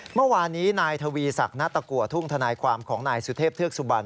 เมื่อวานนี้นายทวีศักดิณตะกัวทุ่งทนายความของนายสุเทพเทือกสุบัน